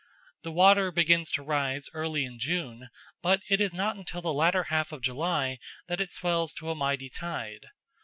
The water begins to rise early in June, but it is not until the latter half of July that it swells to a mighty tide.